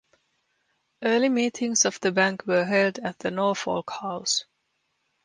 Early meetings of the bank were held at the Norfolk House.